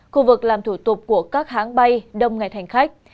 khu vực làm thủ tục của các hãng bay đông ngày hành khách